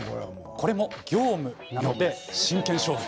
これも業務なので真剣勝負。